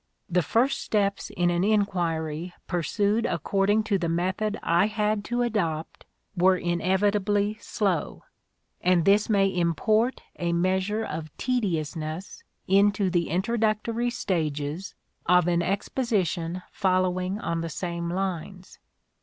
The first steps in an enquiry pursued according to the method I had to adopt were in INTRODUCTION 19 evitably slow, and this may import a measure of tediousness into the introductory stages of an exposi tion following on the same lines.